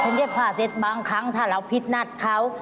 ฉันจะพาเจษบางครั้งถ้าเราพิดนัดเขา